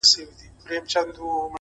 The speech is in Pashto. داسي قبـاله مي په وجـود كي ده،